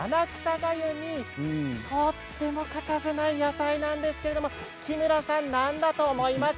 がゆにとても欠かせない野菜なんですけれども木村さん何だと思います？